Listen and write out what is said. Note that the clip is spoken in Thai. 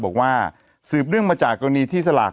บอกว่าสืบเนื่องมาจากกรณีที่สลาก